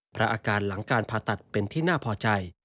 เพราะอาการหลังการผ่าตัดเป็นที่น่าพอใจ